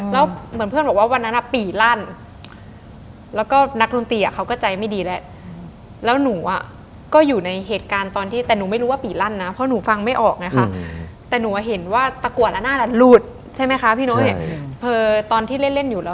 เขาบอกว่าแป๊บนึงนะ